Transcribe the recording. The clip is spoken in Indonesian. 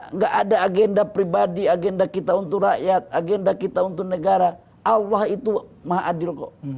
nggak ada agenda pribadi agenda kita untuk rakyat agenda kita untuk negara allah itu maha adil kok